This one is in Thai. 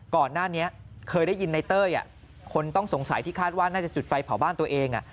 ก่อนหน้านี้เคยได้ยินในเต้ยคนต้องสงสัยที่คาดว่าน่าจะจุดไฟเผาบ้านตัวเอง